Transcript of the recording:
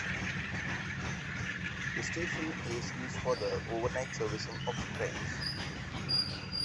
The station is used for the overnight servicing of trains.